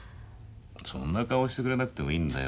そんな顔してくれなくてもいいんだよ。